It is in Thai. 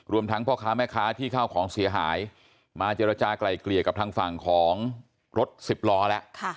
ทั้งพ่อค้าแม่ค้าที่เข้าของเสียหายมาเจรจากลายเกลี่ยกับทางฝั่งของรถสิบล้อแล้ว